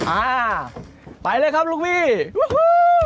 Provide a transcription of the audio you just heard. อ่าไปเลยครับลูกพี่โอ้โห